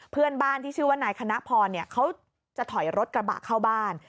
เพื่อนบ้านที่ชื่อว่านายคณะพรเขาจะถอยรถกระบะเข้าบ้าน